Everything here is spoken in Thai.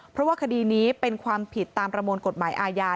เพราะว่าคดีนี้เป็นความผิดตามประมวลกฎหมายอาญา